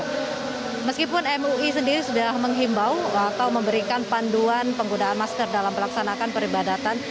jadi meskipun mui sendiri sudah menghimbau atau memberikan panduan penggunaan masker dalam pelaksanakan peribadatan